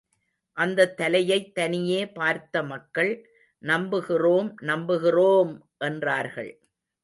அந்தத் தலையைத் தனியே பார்த்தமக்கள் நம்புகிறோம் நம்புகிறோம்! என்றார்கள்.